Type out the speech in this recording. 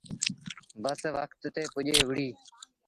بس وکت تي پُڄي وُهڙي۔